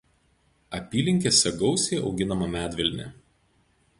Apylinkėse gausiai auginama medvilnė.